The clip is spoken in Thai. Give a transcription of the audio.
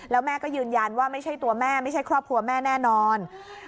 แล้วแม่ก็ยืนยันว่าไม่ใช่ตัวแม่ไม่ใช่ครอบครัวแม่แน่นอน